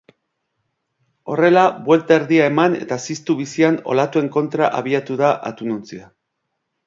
Horrela, buelta erdia eman eta ziztu bizian olatuen kontra abiatu da atunontzia.